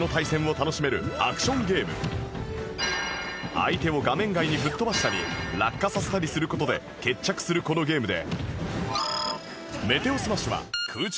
相手を画面外に吹っ飛ばしたり落下させたりする事で決着するこのゲームで